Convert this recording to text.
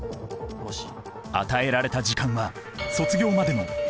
与えられた時間は卒業までの７２時間。